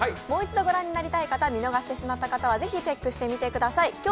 もう一度御覧になりたい方、見逃してしまった方はぜひ、チェックしてみてください。